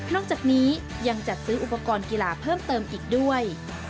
จากนี้ยังจัดซื้ออุปกรณ์กีฬาเพิ่มเติมอีกด้วย